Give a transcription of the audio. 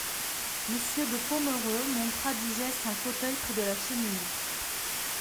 Monsieur de Pomereux montra du geste un fauteuil près de la cheminée.